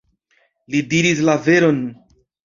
Li diris la veron!..